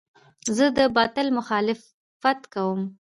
زه د باطل مخالفت کوم.